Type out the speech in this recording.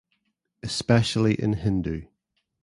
Especially in Hindu.